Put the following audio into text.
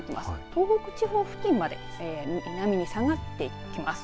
東北地方付近まで南に下がっていきます。